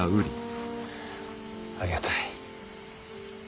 ありがたい。